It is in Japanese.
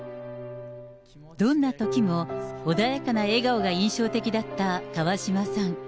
どんなときも穏やかな笑顔が印象的だった川嶋さん。